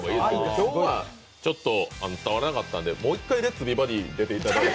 今日はちょっと伝わらなかったんで、もう一回「Ｌｅｔ’ｓ！美バディ」に出ていただいて。